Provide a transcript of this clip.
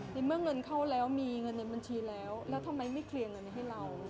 ในเมื่อเงินเข้าแล้วมีเงินในบัญชีแล้วแล้วทำไมไม่เคลียร์เงินให้เรา